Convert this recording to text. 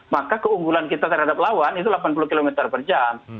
maka keunggulan kita terhadap lawan itu delapan puluh km per jam